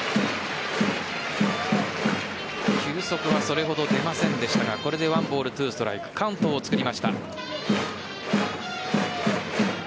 球速はそれほど出ませんでしたがこれで１ボール２ストライクカウントを作りました。